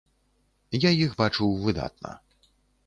Я іх бачыў выдатна.